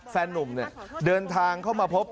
นุ่มเดินทางเข้ามาพบ